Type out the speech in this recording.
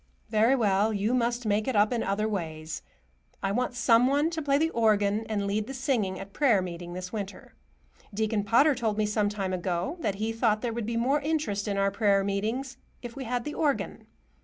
Very well, you must make it up in other ways. I want some one to play the organ and lead the singing at prayer meeting this winter. Deacon Potter told me some time ago that he thought there would be more interest in our prayer meetings if we had the organ.